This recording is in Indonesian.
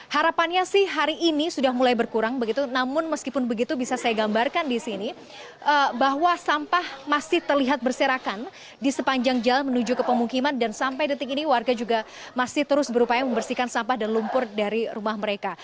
harapannya sih hari ini sudah mulai berkurang begitu namun meskipun begitu bisa saya gambarkan di sini bahwa sampah masih terlihat berserakan di sepanjang jalan menuju ke pemukiman dan sampai detik ini warga juga masih terus berupaya membersihkan sampah dan lumpur dari rumah mereka